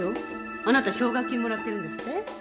あなた奨学金もらってるんですって？